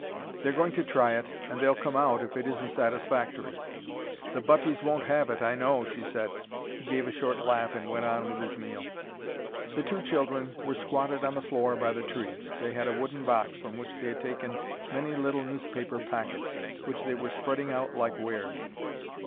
"They're going to try it and they'll come out if it isn't satisfactory." "The butties won't have it, I know," she said. He gave a short laugh, and went on with his meal. The two children were squatted on the floor by the tree. They had a wooden box, from which they had taken many little newspaper packets, which they were spreading out like wares.